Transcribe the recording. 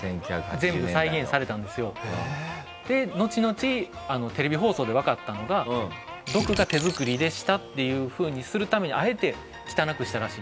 全部再現されたんですよ。でのちのちテレビ放送でわかったのがドクが手作りでしたっていうふうにするためにあえて汚くしたらしい。